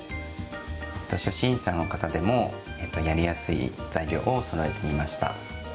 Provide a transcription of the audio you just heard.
初心者の方でもやりやすい材料をそろえてみました。